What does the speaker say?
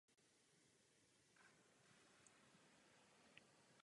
Zaniklo v průběhu devadesátých let dvacátého století.